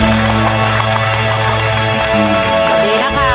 สวัสดีนะคะ